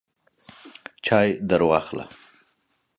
چای درواخله !